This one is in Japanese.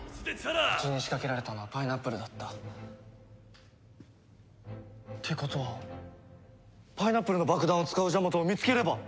うちに仕掛けられたのはパイナップルだった。ってことはパイナップルの爆弾を使うジャマトを見つければ！